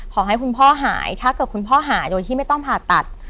ขอให้คุณพ่อหายถ้าเกิดคุณพ่อหายโดยที่ไม่ต้องผ่าตัด